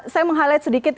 saya menghalet sedikit